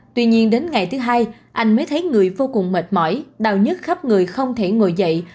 tuy nhiên đến ngày thứ hai anh mới thấy người vô cùng mệt mỏi đau nhất khắp người không thể ngồi dậy